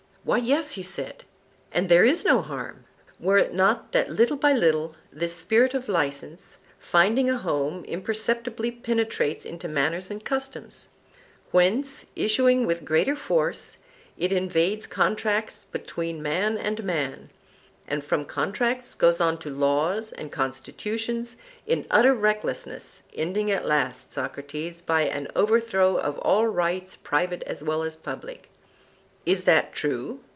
Why, yes, he said, and there is no harm; were it not that little by little this spirit of licence, finding a home, imperceptibly penetrates into manners and customs; whence, issuing with greater force, it invades contracts between man and man, and from contracts goes on to laws and constitutions, in utter recklessness, ending at last, Socrates, by an overthrow of all rights, private as well as public. Is that true?